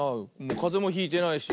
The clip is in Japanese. かぜもひいてないし。